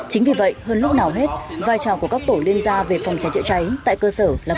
chính vì vậy hơn lúc nào hết vai trò của các tổ liên gia về phòng cháy chữa cháy tại cơ sở là